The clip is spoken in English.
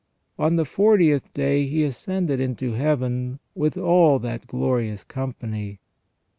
On the fortieth day He ascended into Heaven with all that glorious company.